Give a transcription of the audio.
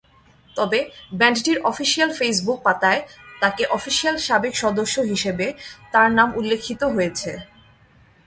তবে, ব্যান্ডটির official Facebook পাতায়, তাকে অফিসিয়াল সাবেক সদস্য হিসাবে তার নাম উল্লেখিত হয়েছে।